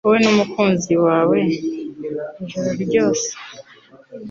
woe numukunzi wawe ijoro ryose